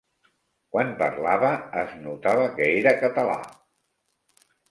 Quan parlava, es notava que era català.